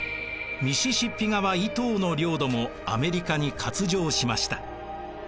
ミシシッピ川以東の領土もアメリカに割譲しました。